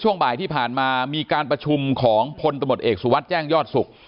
ช่วงบ่ายที่ผ่านมามีการประชุมของพลตำรวจเอกสุวัสดิ์แจ้งยอดศุกร์